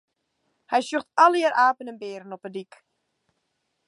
Hy sjocht allegear apen en bearen op 'e dyk.